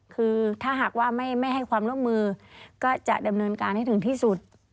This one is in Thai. คือถ้าหากว่าไม่ให้ความร่วมมือก็จะดำเนินการให้ถึงที่สุด